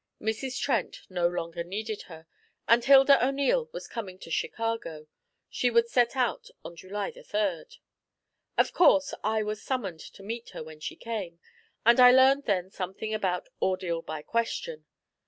Mrs. Trent no longer needed her, and Hilda O'Neil was coming to Chicago. She would set out on July 3. Of course I was summoned to meet her when she came, and I learned then something about 'ordeal by question.'